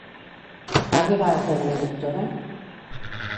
Va arribar a esdevenir doctora?